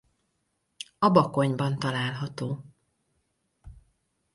A Bakonyban található.